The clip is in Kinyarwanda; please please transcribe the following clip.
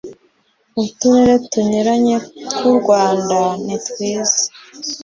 uturere tunyuranye tw u rwanda nitwiza